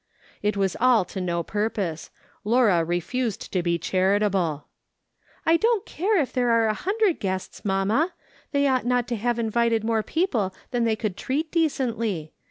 It was all to no purpose. Laura refused to be charitable. " I don't care if there are a hundred guests mamma. They ought not to have invited more people than they could treat decently.